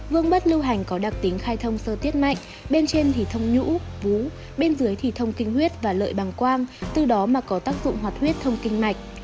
vương bất lưu hành có đặc tính khai thông sơ tiết mạnh bên trên thì thông nhũ vú bên dưới thì thông kinh huyết và lợi bằng quang từ đó mà có tác dụng hoạt huyết thông kinh mạch